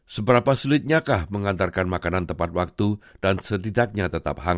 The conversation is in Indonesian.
seberapa sulitnya kah mengantarkan makanan tepat waktu dan setidaknya tetap hampir